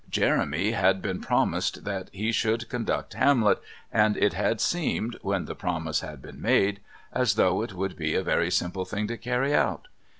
Jeremy had been promised that he should conduct Hamlet, and it had seemed, when the promise had been made, as though it would be a very simple thing to carry out.